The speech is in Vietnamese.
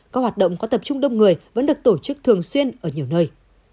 các hoạt động có tập trung đông người vẫn được tổ chức thường xuyên ở nhiều nơi